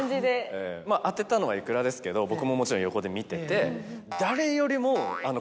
当てたのはｉｋｕｒａですけど僕ももちろん横で見てて。